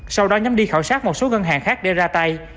sau đó nhóm đi khảo sát một số ngân hàng khác để ra tay